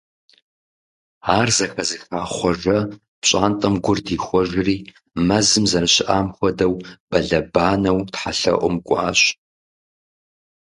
Ар зэхэзыха Хъуэжэ пщӀантӀэм гур дихуэжри, мэзым зэрыщыӀам хуэдэу, бэлэбанэу тхьэлъэӀум кӀуащ.